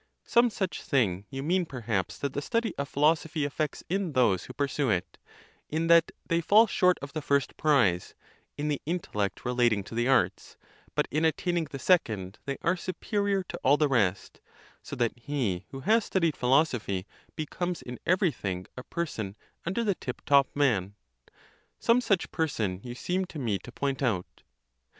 22 Some such thing you mean'perhaps that the study of philosophy effects in those, who pursue it, in that they fall short of the 'first prize,*° in the intellect relating to the arts, but in attaining the second, they are superior to all the rest; so that he, who has studied philosophy, becomes in every thing a person under the tip top*! man. Some such person you seem to me to point out.